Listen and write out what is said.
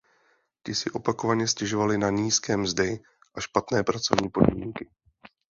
Ti si opakovaně stěžovali na nízké mzdy a špatné pracovní podmínky.